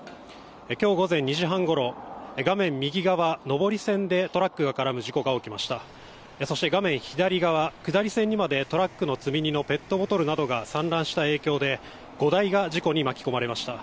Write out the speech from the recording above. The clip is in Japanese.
今日午前２時半ごろ画面右側上り線でトラックが絡む事故が起きましたそして画面左側下り線にまでトラックの積荷のペットボトルなどが散乱した影響で５台が事故に巻き込まれました。